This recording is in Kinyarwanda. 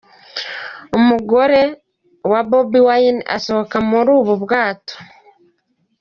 Umugore wa Bobi Wine asohoka muri ubu bwato.